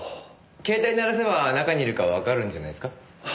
携帯鳴らせば中にいるかわかるんじゃないですか？